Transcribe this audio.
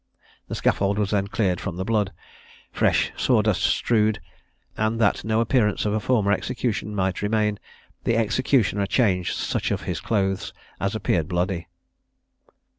The scaffold was then cleared from the blood, fresh sawdust strewed, and that no appearance of a former execution might remain, the executioner changed such of his clothes as appeared bloody.